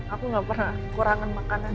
aku gak pernah kekurangan makanan